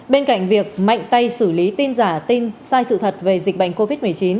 bên cạnh việc mạnh tay xử lý tin giả tin sai sự thật về dịch bệnh covid một mươi chín